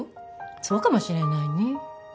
そうかもしれないね